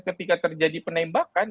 ketika terjadi penembakan